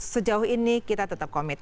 sejauh ini kita tetap komit